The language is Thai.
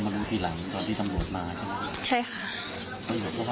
แต่กำลังก็ี่ตำรวจมาใช่ไหมค่ะ